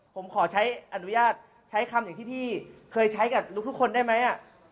ผมขอใช้อนุญาตใช้คำอย่างที่พี่เคยใช้กับทุกคนได้ไหม